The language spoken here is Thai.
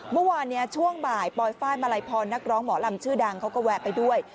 เมื่อวานช่วงบ่ายปลอยไฟล์มาลัยพรนักร้องหมอลำชื่อดังเขาก็แวะไปด้วย